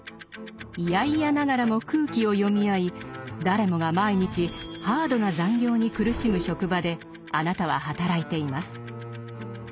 嫌々ながらも「空気」を読み合い誰もが毎日ハードな残業に苦しむ職場であなたは働いています。